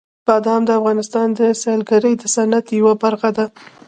بادام د افغانستان د سیلګرۍ د صنعت یوه برخه ده.